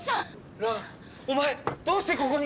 ランお前どうしてここに？